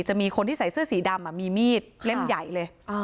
มีคนที่ใส่เสื้อสีดำมีมีดเล่มใหญ่เลย